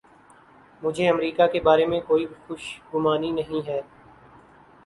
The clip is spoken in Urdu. مجھے امریکہ کے بارے میں کوئی خوش گمانی نہیں ہے۔